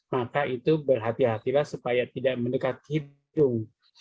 maka itu berhati hatilah supaya tidak mendekat hidung